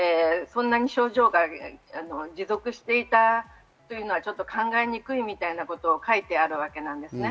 そんなに症状が持続していたというのはちょっと考えにくいみたいなことが書いてあるわけなんですね。